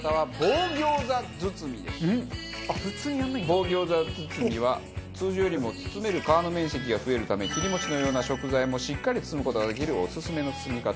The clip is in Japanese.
棒餃子包みは通常よりも包める皮の面積が増えるため切り餅のような食材もしっかり包む事ができるオススメの包み方。